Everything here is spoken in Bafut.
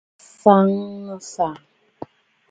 Matsàgə̀ nɨ̀sɔ̀ŋ.